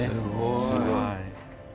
すごい。